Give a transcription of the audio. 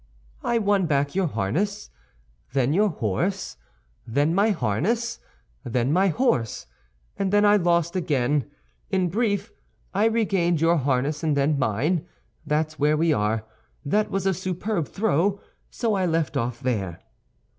"I won back your harness, then your horse, then my harness, then my horse, and then I lost again. In brief, I regained your harness and then mine. That's where we are. That was a superb throw, so I left off there."